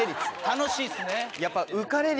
楽しいっすね。